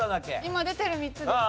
今出てる３つでした。